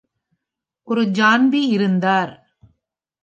ஒரு John B இருந்தார்.